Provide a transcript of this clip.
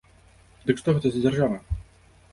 Дык што гэта за дзяржава?